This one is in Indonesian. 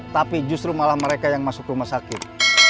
tapi justru malah mereka yang masuk rumah sakit